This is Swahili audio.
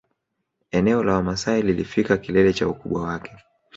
Eneo la Wamasai lilifika kilele cha ukubwa wake